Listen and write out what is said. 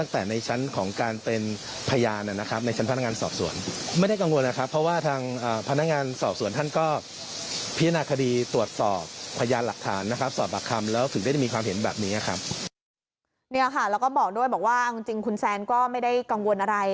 นี่ค่ะแล้วก็บอกด้วยบอกว่าเอาจริงคุณแซนก็ไม่ได้กังวลอะไร